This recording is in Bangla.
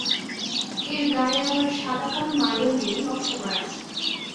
এর গায়ে আবার সাদা কালো মার্বেল দিয়ে নকশা করা আছে।